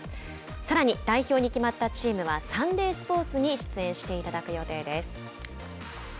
さらに、代表に決まったチームはサンデースポーツに出演していただく予定です。